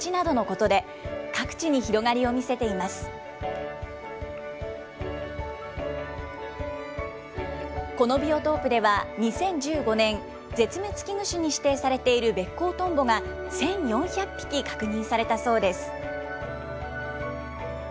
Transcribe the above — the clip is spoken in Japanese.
このビオトープでは、２０１５年、絶滅危惧種に指定されているベッコウトンボが１４００匹確認されたそうです。